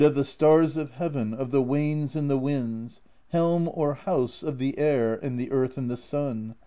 134 PROSE EDDA Stars of Heaven, of the Wains and the Winds; Helm, or House, of the Air and the Earth and the Sun.